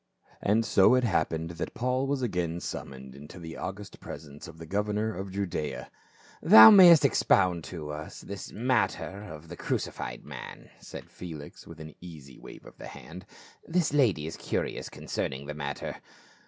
And so it happened that Paul was again summoned into the august presence of the governor of Judaea. " Thou mayst expound to us this matter of the 412 PAUL. crucified man," said Felix with an easy wave of tlie hand. "This lady is curious concerning the matter."